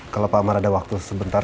kalau pak amar ada waktu sebentar